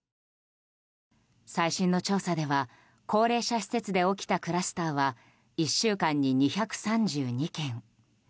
最新の調査では高齢者施設で起きたクラスターは１週間に２３２件。